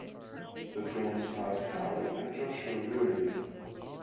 The film stars Howard and Joshua Boone.